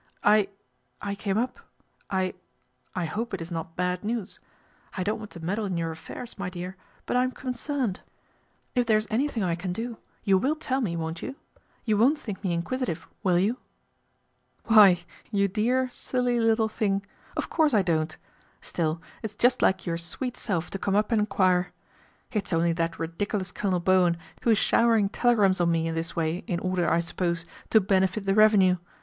" I I came up I I hope it is not bad news. I don't want to meddle in your affairs, my dear ; but I am concerned. If there is anything 54 PATRICIA BRENT, SPINSTER I can do, you will tell me, won't you ? You won't think me inquisitive, will you ?"" Why you dear, silly little thing, of course I don't. Still it's just like your sweet self to come up and enquire. It is only that ridiculous Colonel Bowen who is showering telegrams on me in this way, in order, I suppose, to benefit the revenue.